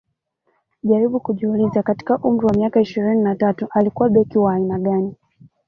jaribu kujiuliza katika umri wa miaka ishirini na tatu alikuwa beki wa aina gani